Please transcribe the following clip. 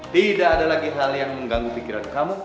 tidak ada lagi hal yang mengganggu pikiran kamu